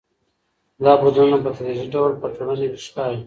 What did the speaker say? دا بدلونونه په تدريجي ډول په ټولنه کي ښکاري.